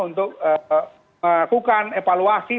untuk melakukan evaluasi